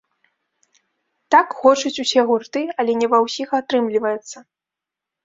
Так хочуць усе гурты, але не ва ўсіх атрымліваецца.